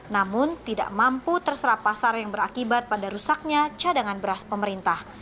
namun tidak mampu terserap pasar yang berakibat pada rusaknya cadangan beras pemerintah